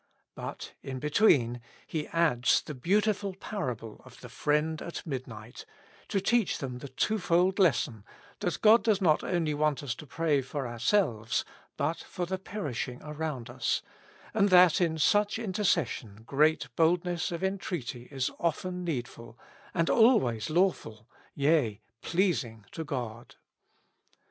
But in between He adds the beautiful parable of the friend at midnight, to teach them the two fold lesson, that God does not only want us to pray for ourselves, but 63 With Christ in the School of Prayer. for the perishing around us, and that in such interces sion great boldness of entreaty is often needful, and always lawful, yea, pleasing to God.